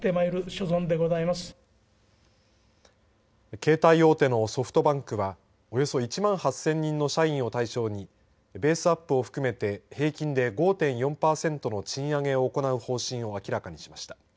携帯大手のソフトバンクはおよそ１万８０００人の社員を対象にベースアップを含めて平均で５．４パーセントの賃上げを行う方針を明らかにしました。